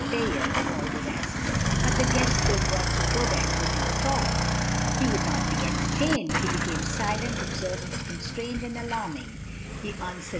Fayard, and all the rest; but the guest, though brought to Crowbeck, would not talk, he would not be entertained; he came silent, ob servant, constrained, and alarming; he answered, DAY BY DAY.